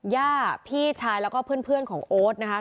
ย่าพี่ชายแล้วก็เพื่อนของโอ๊ตนะคะ